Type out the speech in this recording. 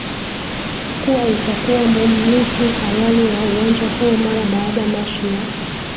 kuwa itakuwa mumliki halali wa uwanja huo mara baada mashi ya